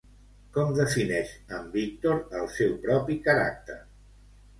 Com defineix en Víctor el seu propi caràcter?